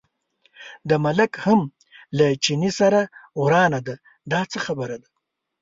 د ملک هم له چیني سره ورانه ده، دا څه خبره ده.